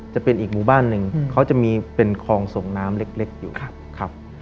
จะเป็นอีกหมู่บ้านหนึ่งเขาจะมีเป็นคลองส่งน้ำเล็กอยู่ครับ